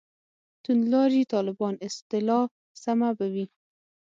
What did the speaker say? «توندلاري طالبان» اصطلاح سمه به وي.